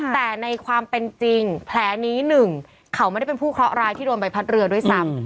แต่ในความเป็นจริงแผลนี้หนึ่งเขาไม่ได้เป็นผู้เคราะหร้ายที่โดนใบพัดเรือด้วยซ้ำ